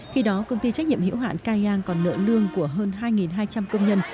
khi đó công ty trách nhiệm hiểu hạn cai giang còn nợ lương của hơn hai hai trăm linh công nhân